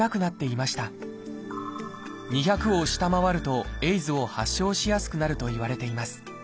２００を下回るとＡＩＤＳを発症しやすくなるといわれています。